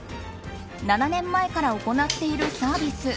７年前から行っているサービス